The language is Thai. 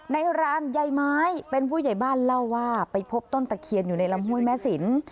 ในร้านใยไม้เป็นผู้ใหญ่บ้านเล่าว่าไปพบต้นตะเคียนอยู่ในลำห้วยแม่สิน